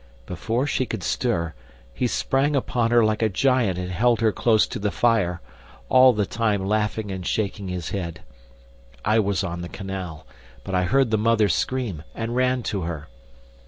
Before she could stir, he sprang upon her like a giant and held her close to the fire, all the time laughing and shaking his head. I was on the canal, but I heard the mother scream and ran to her.